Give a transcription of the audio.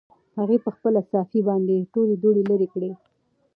هغه په خپله صافه باندې ټول دوړې لرې کړې.